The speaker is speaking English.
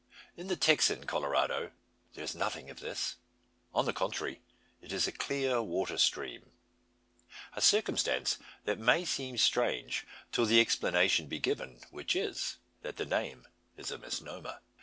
In the Texan Colorado there is nothing of this; on the contrary, it is a clear water stream. A circumstance that may seem strange, till the explanation be given which is, that the name is a misnomer.